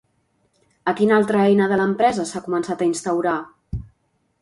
A quina altra eina de l'empresa s'ha començat a instaurar?